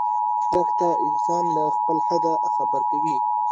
دښته انسان له خپل حده خبر کوي.